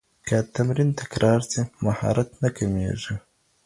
که تمرین تکرار سي، مهارت نه کمېږي.